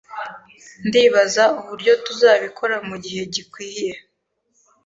Ndibaza uburyo tuzabikora mugihe gikwiye.